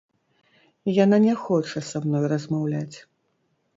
Яна не хоча са мной размаўляць.